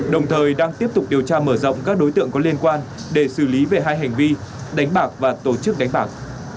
đồng thời đang tiếp tục điều tra mở rộng các đối tượng có liên quan để xử lý về hai hành vi đánh bạc và tổ chức đánh bạc